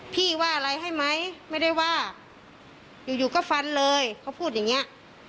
ว่าอะไรให้ไหมไม่ได้ว่าอยู่อยู่ก็ฟันเลยเขาพูดอย่างเงี้ย